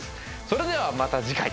それではまた次回。